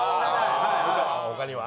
他には？